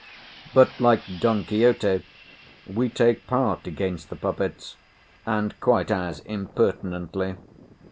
But, like Don Quixote, we take part against the puppets, and quite as impertinently.